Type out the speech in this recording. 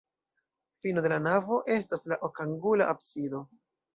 Fino de la navo estas la okangula absido.